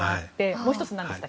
もう１つなんでしたっけ？